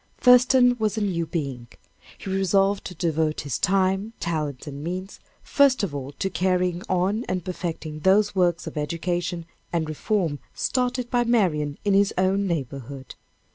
Thurston was a new being. He resolved to devote his time, talents and means, first of all to carrying on and perfecting those works of education and reform started by Marian in his own neighborhood.